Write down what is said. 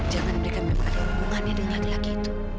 jangan mereka memang ada hubungannya dengan laki laki itu